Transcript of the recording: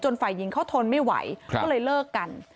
ฝ่ายหญิงเขาทนไม่ไหวก็เลยเลิกกัน